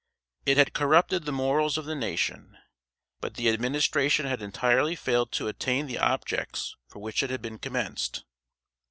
It had corrupted the morals of the nation; but the Administration had entirely failed to attain the objects for which it had been commenced.